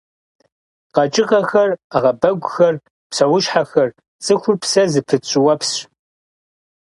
КъэкӀыгъэхэр, Ӏэгъэбэгухэр, псэущхьэхэр, цӀыхур – псэ зыпыт щӀыуэпсщ.